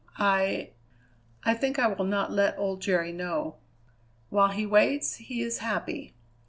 I I think I will not let old Jerry know. While he waits, he is happy.